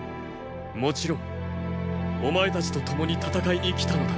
もちろんお前たちと共に戦いに来たのだ。